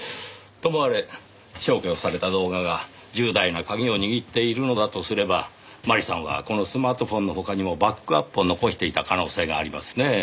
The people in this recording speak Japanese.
ともあれ消去された動画が重大な鍵を握っているのだとすれば麻里さんはこのスマートフォンの他にもバックアップを残していた可能性がありますねぇ。